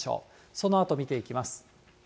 そのあと見ていきます。